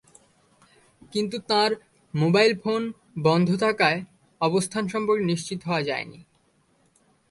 কিন্তু তাঁর mobile phone বন্ধ থাকায় অবস্থান সম্পর্কে নিশ্চিত হওয়া যায়নি।